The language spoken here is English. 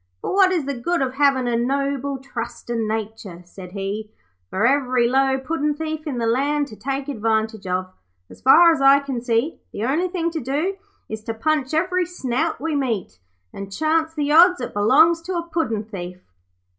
'For what is the good of havin' a noble trustin' nature,' said he, 'for every low puddin' thief in the land to take advantage of? As far as I can see, the only thing to do is to punch every snout we meet, and chance the odds it belongs to a puddin' thief.'